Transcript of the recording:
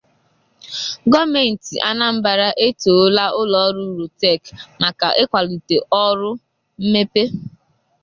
Gọọmentị Anambra Etoola Ụlọọrụ Rotech Maka Ịkwalite Ọrụ Mmepe